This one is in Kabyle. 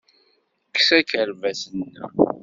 Kkes akerbas-nnem.